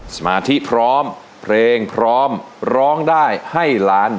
สมาธิพร้อมเพลงพร้อมร้องได้ให้ล้าน